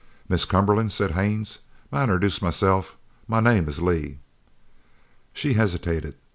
"Miss Cumberland," said Haines, "may I introduce myself? My name is Lee." She hesitated.